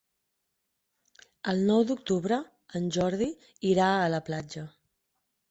El nou d'octubre en Jordi irà a la platja.